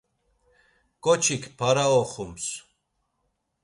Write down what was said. K̆oçik para oxums.